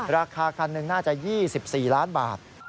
ราคาคันหนึ่งน่าจะ๒๔ล้านบาท